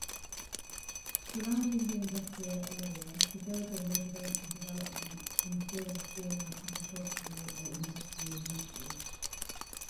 Surrounding the industrial area, suburban residential development infilled former agricultural or industrial uses.